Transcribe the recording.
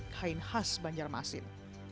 kain khas banjarmasin